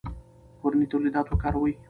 کورني تولیدات وکاروئ.